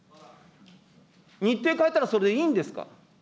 日程変えたらそれでいいんですか。